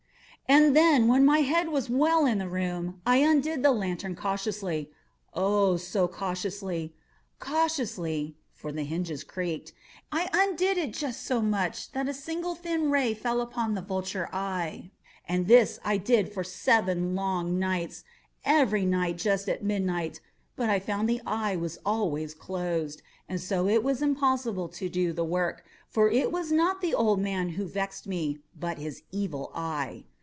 And then, when my head was well in the room, I undid the lantern cautiously—oh, so cautiously—cautiously (for the hinges creaked)—I undid it just so much that a single thin ray fell upon the vulture eye. And this I did for seven long nights—every night just at midnight—but I found the eye always closed; and so it was impossible to do the work; for it was not the old man who vexed me, but his Evil Eye.